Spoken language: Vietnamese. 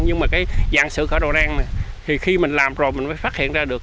nhưng mà cái dạng sự khởi đầu đen thì khi mình làm rồi mình mới phát hiện ra được